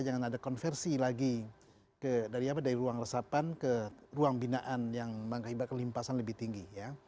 jangan ada konversi lagi dari ruang resapan ke ruang binaan yang mengakibat kelimpasan lebih tinggi